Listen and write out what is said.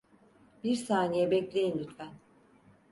Bir saniye bekleyin lütfen.